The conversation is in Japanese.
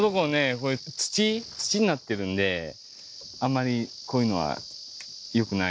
こういう土土になってるんであんまりこういうのは良くない。